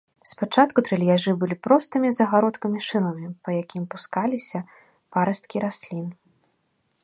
Спачатку трэльяжы былі простымі загародкамі-шырмамі, па якім пускаліся парасткі раслін.